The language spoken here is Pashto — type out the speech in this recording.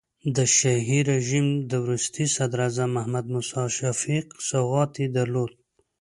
د شاهي رژیم د وروستي صدراعظم محمد موسی شفیق سوغات یې درلود.